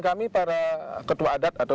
kami para ketua adat atau